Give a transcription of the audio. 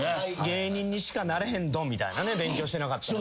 芸人にしかなれへんどみたいなね勉強してなかったら。